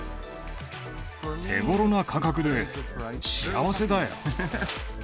手ごろな価格で幸せだよ。